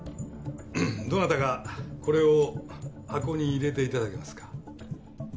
どなたかこれを箱に入れていただけますか？